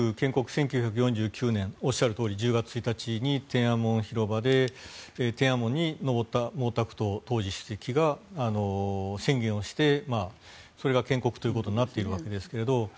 １９４９年おっしゃるとおり１０月１日に天安門広場で天安門に上った当時の毛沢東主席が宣言をしてそれが建国ということになっているわけですけど。